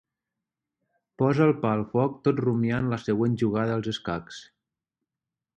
Posa el pa al foc tot rumiant la següent jugada als escacs.